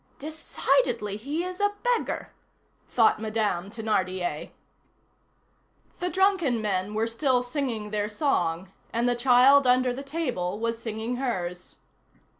"Decidedly, he is a beggar" thought Madame Thénardier. The drunken men were still singing their song, and the child under the table was singing hers.